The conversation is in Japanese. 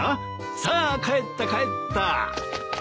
さあ帰った帰った。